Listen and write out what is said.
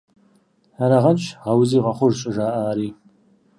Арагъэнщ «Гъэузи – гъэхъуж!» щӏыжаӏари.